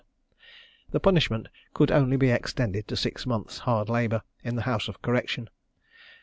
The punishment could only be extended to six months' hard labour in the House of Correction.